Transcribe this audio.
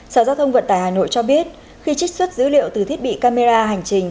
sở giao thông vận tải hà nội cho biết khi trích xuất dữ liệu từ thiết bị camera hành trình